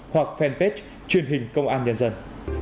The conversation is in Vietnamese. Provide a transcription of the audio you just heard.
hoặc fanpage truyền hình công an nhân dân